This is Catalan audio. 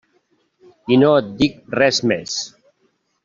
I no et dic res més.